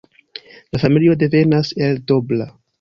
La familio devenas el Dobra.